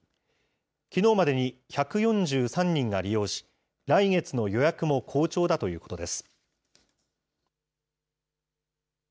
きのうまでに１４３人が利用し、来月の予約も好調だということです。